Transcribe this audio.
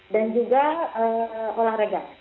dan juga olahraga